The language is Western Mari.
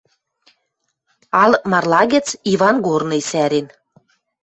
Алык марла гӹц Иван Горный сӓрен